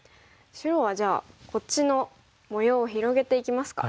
白はじゃあこっちの模様を広げていきますか。